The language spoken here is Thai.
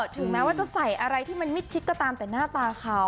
ถึงแม้ว่าจะใส่อะไรที่มันมิดชิดก็ตามแต่หน้าตาเขา